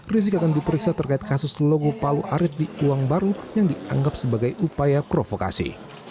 rizik akan diperiksa terkait kasus logo palu arit di uang baru yang dianggap sebagai upaya provokasi